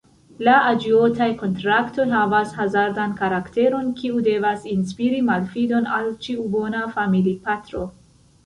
La aĝiotaj kontraktoj havas hazardan karakteron, kiu devas inspiri malfidon al ĉiu bona familipatro.